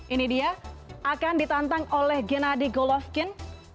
ini dia akan ditantang oleh genadi golovkin